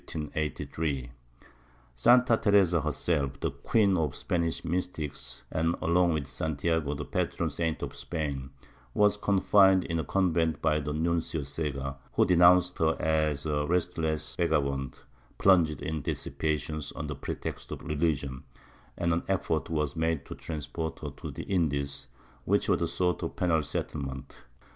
^ Santa Teresa herself, the queen of Spanish mystics and, along with Santiago, the patron saint of Spain, was confined in a convent by the Nuncio Sega, who denounced her as a restless vagabond, plunged in dissipation under pretext of religion, and an effort was made to transport her to the Indies, which were a sort of penal settlement.